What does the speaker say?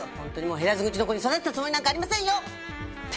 減らず口の子に育てたつもりなんかありませんよ！って